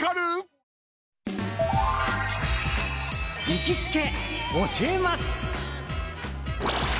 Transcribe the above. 行きつけ教えます！